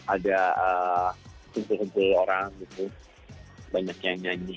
ada kumpul kumpul orang gitu banyak yang nyanyi